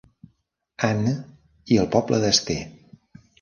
Anne i el poble de Ste.